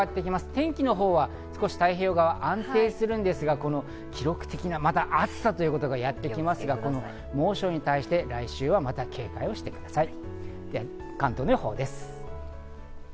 天気のほうは少し太平洋側、安定するんですが記録的な暑さがまたやってきますので、猛暑に対して来週は警戒してください。